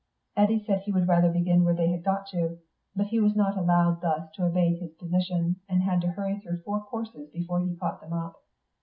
Eddy said he would rather begin where they had got to. But he was not allowed thus to evade his position, and had to hurry through four courses before he caught them up.